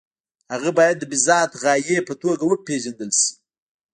هغه باید د بالذات غایې په توګه وپېژندل شي.